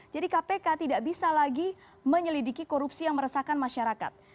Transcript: jadi kpk tidak bisa lagi menyelidiki korupsi yang meresahkan masyarakat